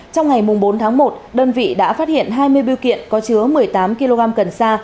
trong ngày bốn tháng một đơn vị đã phát hiện hai mươi biêu kiện có chứa một mươi tám kg cần sa